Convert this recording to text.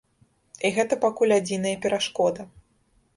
І гэта пакуль адзіная перашкода.